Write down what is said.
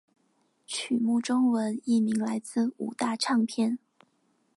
曲目中文译名来自五大唱片。